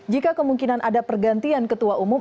jika kemungkinan ada pergantian ketua umum